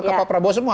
ke pak prabowo semua